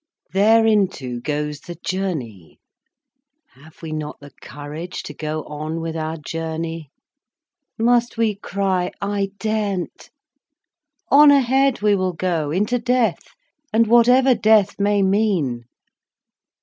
Thereinto goes the journey. Have we not the courage to go on with our journey, must we cry 'I daren't'? On ahead we will go, into death, and whatever death may mean.